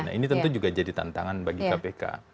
nah ini tentu juga jadi tantangan bagi kpk